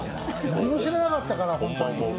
何も知らなかったから、ホントに。